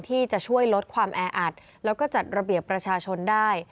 ที่จะช่วยลดความแออัดแล้วก็จัดระเบียบประชาชนได้